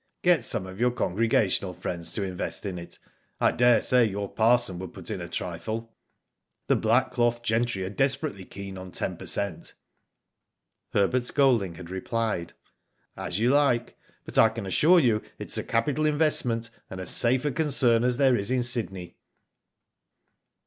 "Get some of your congregational friends to invest in it. I daresay your parson would put in a trifle. The black cloth gentry are desperately keen on ten per cent.'* Herbert Golding had replied :" As you like ; but I can assure you it is a capital investment, and as safe a concern as there is in Sydney."